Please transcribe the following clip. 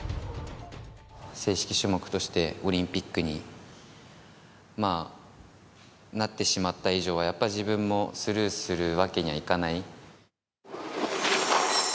正式種目として、オリンピックになってしまった以上は、やっぱ自分もスルーするわけにはいかない。